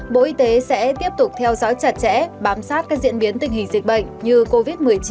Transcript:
bộ y tế sẽ tiếp tục theo dõi chặt chẽ bám sát các diễn biến tình hình dịch bệnh như covid một mươi chín